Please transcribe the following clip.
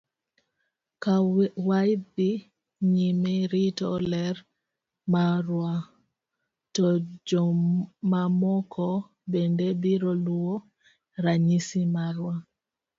Ka wadhi nyime rito ler marwa, to jomamoko bende biro luwo ranyisi marwa.